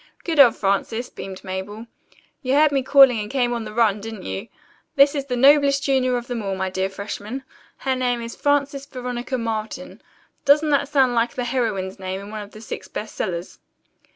"Good old Frances," beamed Mabel. "You heard me calling and came on the run, didn't you? This is the noblest junior of them all, my dear freshmen. Her name is Frances Veronica Marlton. Doesn't that sound like the heroine's name in one of the six best sellers?"